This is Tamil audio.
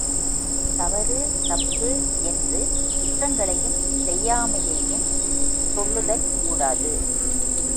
தவறு, தப்பு என்று குற்றங்களையும் செய்யாமையையும் சொல்லுதல் கூடாது.